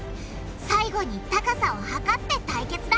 最後に高さを測って対決だ！